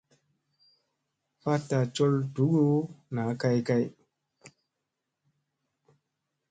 Fatta col dugu na kay kay.